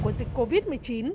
của dịch covid một mươi chín